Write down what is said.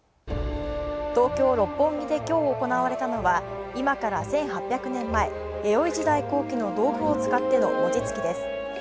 東京・六本木で今日行われたのは今から１８００年前、弥生時代後期の道具を使っての餅つきです。